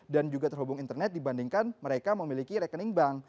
juga terhubung internet dibandingkan mereka memiliki rekening bank